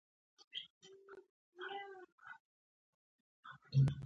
دالای لاما وایي مرسته او بد نه کول مهم دي.